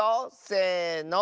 せの。